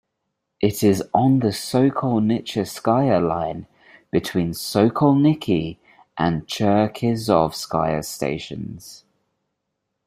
It is on the Sokolnicheskaya Line, between Sokolniki and Cherkizovskaya stations.